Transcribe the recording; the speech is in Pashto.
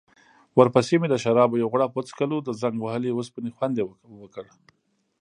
ورپسې مې د شرابو یو غوړپ وڅکلو، د زنګ وهلې اوسپنې خوند يې وکړ.